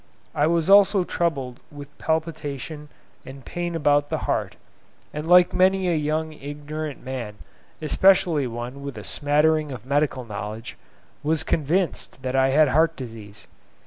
I was also troubled with palpitation and pain about the heart, and like many a young ignorant man, especially one with a smattering of medical knowledge, was convinced that I had heart disease.